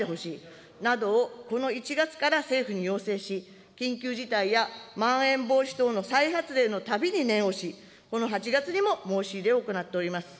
この１月から政府に要請し、緊急事態やまん延防止等の再発令のたびに念押し、この８月にも、申し入れを行っております。